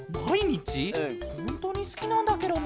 ほんとにすきなんだケロね。